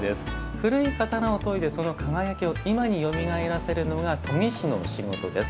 古い刀を研いで、その輝きを今によみがえらせるのが研ぎ師の仕事です。